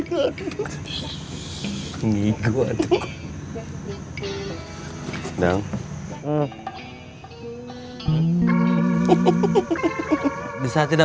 boleh nggak lidtentang gitu ya